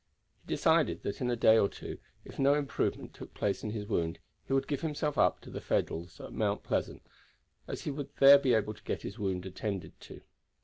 He decided that in a day or two if no improvement took place in his wound he would give himself up to the Federals at Mount Pleasant, as he would there be able to get his wound attended to.